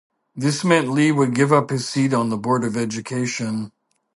This meant Lee would give up his seat on the Board of Education.